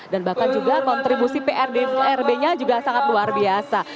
dan bahkan juga kontribusi prb nya juga sangat luar biasa